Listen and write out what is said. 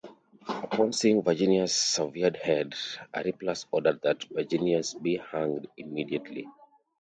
Upon seeing Virginia's severed head, Appius ordered that Virginius be hanged immediately.